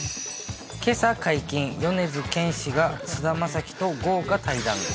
けさ解禁、米津玄師が菅田将暉と豪華対談。